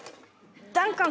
ダンカン